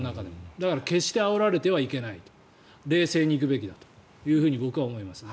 だから決してあおられてはいけない冷静に行くべきだと僕は思いますね。